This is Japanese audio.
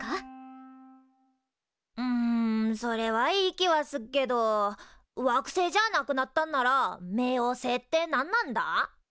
んそれはいい気はすっけど惑星じゃなくなったんなら冥王星って何なんだ？